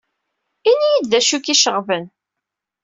Ini-iyi-d d acu ay k-iceɣben.